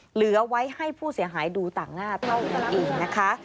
เหลือไว้ให้ผู้เสียหายดูต่างหน้าเท่านั้นเองนะคะ